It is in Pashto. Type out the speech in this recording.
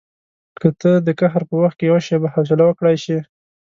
که ته د قهر په وخت کې یوه شېبه حوصله وکړای شې.